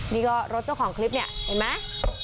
นี่ก็รถเจ้าของคลิปเนี่ยเห็นไหม